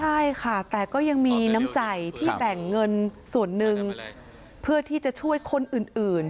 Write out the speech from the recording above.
ใช่ค่ะแต่ก็ยังมีน้ำใจที่แบ่งเงินส่วนหนึ่งเพื่อที่จะช่วยคนอื่น